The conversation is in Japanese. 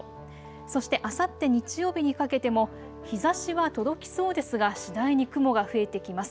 そしてあさって日曜日にかけても日ざしは届きそうですが次第に雲が増えてきます。